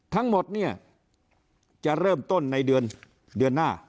ทั้งหมดเนี่ยจะเริ่มต้นในเดือนหน้า